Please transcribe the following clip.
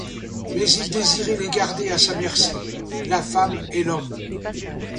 Mais il désirait les garder à sa merci, la femme et l'homme.